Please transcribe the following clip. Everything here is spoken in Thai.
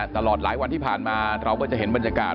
ตลอดหลายวันที่ผ่านมาเราก็จะเห็นบรรยากาศ